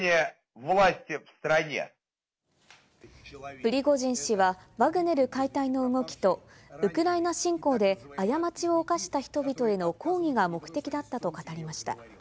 プリゴジン氏はワグネル解体の動きとウクライナ侵攻で過ちを犯した人々への抗議が目的だったと語りました。